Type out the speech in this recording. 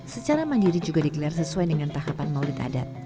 secara mandiri juga dikelir sesuai dengan tahapan nolid adat